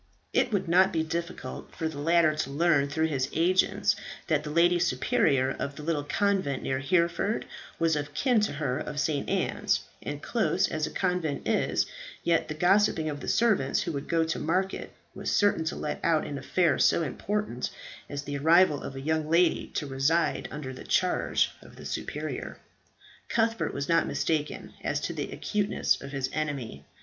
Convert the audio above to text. It would not be difficult for the latter to learn through his agents that the lady superior of the little convent near Hereford was of kin to her of St. Anne's, and, close as a convent is, yet the gossiping of the servants who go to market was certain to let out an affair so important as the arrival of a young lady to reside under the charge of the superior. Cuthbert was not mistaken as to the acuteness of his enemy.